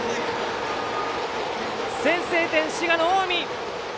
先制点、滋賀の近江！